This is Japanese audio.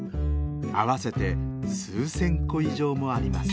合わせて数千個以上もあります。